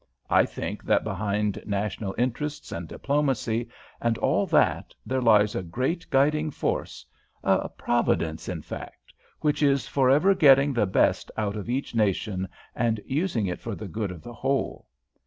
I think that behind national interests and diplomacy and all that there lies a great guiding force, a Providence, in fact, which is for ever getting the best out of each nation and using it for the good of the whole.